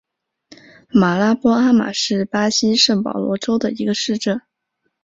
马拉波阿马是巴西圣保罗州的一个市镇。